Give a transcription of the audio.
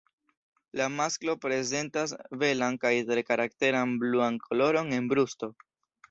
La masklo prezentas belan kaj tre karakteran bluan koloron en brusto.